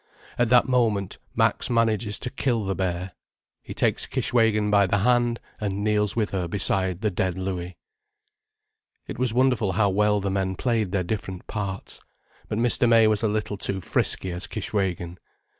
At that moment Max manages to kill the bear—he takes Kishwégin by the hand and kneels with her beside the dead Louis. It was wonderful how well the men played their different parts. But Mr. May was a little too frisky as Kishwégin.